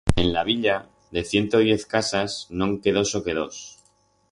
En la Villa, de ciento diez casas no'n quedó soque dos.